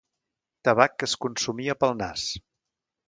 Tabac que es consumia pel nas.